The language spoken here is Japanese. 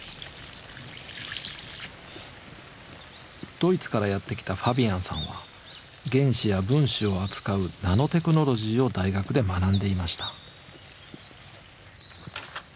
ドイツからやって来たファビアンさんは原子や分子を扱うナノテクノロジーを大学で学んでいました。